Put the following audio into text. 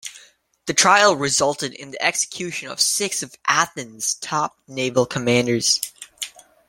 The trial resulted in the execution of six of Athens's top naval commanders.